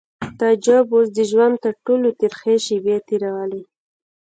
تعجب اوس د ژوند تر ټولو ترخې شېبې تېرولې